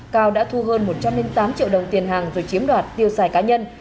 cao đã thu hơn một trăm linh tám triệu đồng tiền hàng rồi chiếm đoạt tiêu xài cá nhân